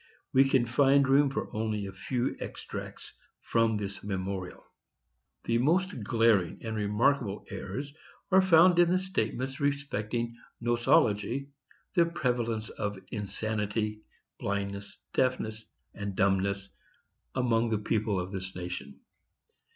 We can find room only for a few extracts from this memorial. "The most glaring and remarkable errors are found in the statements respecting nosology, the prevalence of insanity, blindness, deafness and dumbness, among the people of this nation.